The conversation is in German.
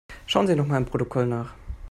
Schauen Sie nochmal im Protokoll nach.